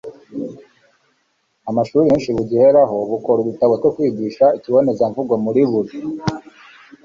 amashuri menshi bugiheraho bukora udutabo two kwigisha ikibonezamvugo muri buri